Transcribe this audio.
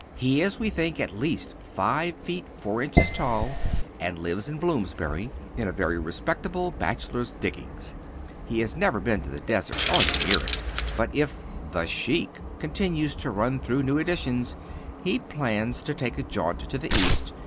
He is, we think, at least five feet four inches tall and lives in Bloomsbury, in very respectable bachelor diggings. He has never been to the desert or near it, but if "The Sheik" continues to run through new editions he plans to take a jaunt to the East.